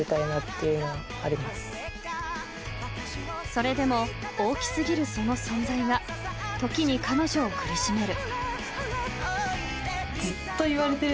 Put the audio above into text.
［それでも大き過ぎるその存在が時に彼女を苦しめる］